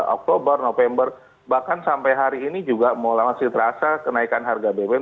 oktober november bahkan sampai hari ini juga mulai masih terasa kenaikan harga bbm